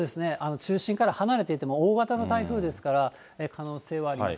中心から離れていても、大型の台風ですから、可能性はあります。